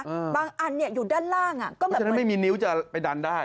บางอันเนี้ยอยู่ด้านล่างอ่ะก็แบบฉะนั้นไม่มีนิ้วจะไปดันได้